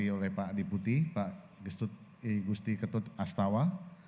diwakili oleh pak diputi pak gusti ketut astawa